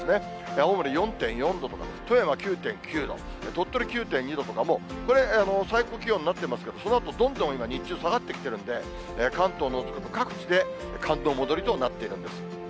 青森４．４度とか、富山９．９度、鳥取９．２度とか、これ、最高気温になってますけど、そのあとどんどん今、日中下がってきてるんで、関東を除く各地で、寒の戻りとなっているんです。